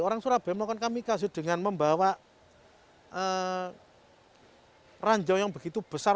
orang surabaya melakukan kami kasih dengan membawa ranjau yang begitu besar